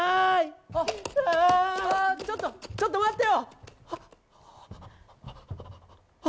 あっ、ちょっとちょっと待ってよ！